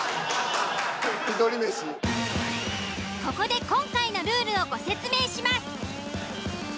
ここで今回のルールをご説明します。